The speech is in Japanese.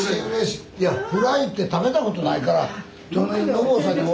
いやフライって食べたことないから。